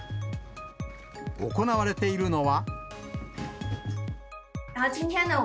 行われているのは。